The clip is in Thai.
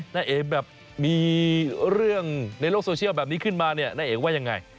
เอ๋แบบมีเรื่องในโลกโซเชียลแบบนี้ขึ้นมาเนี่ยน้าเอ๋ว่ายังไง